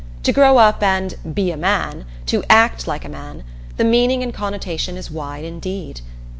To grow up and "be a man," to "act like a man" the meaning and connotation is wide indeed.